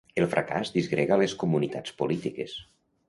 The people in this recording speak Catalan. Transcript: El fracàs disgrega les comunitats polítiques.